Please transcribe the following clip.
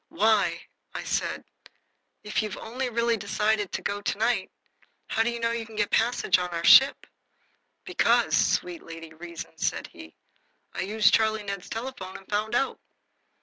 "Why," I said, "if you've only really decided to go to night, how do you know you can get a passage on our ship?" "Because, sweet Lady Reason," said he, "I used Charlie Ned's telephone and found out."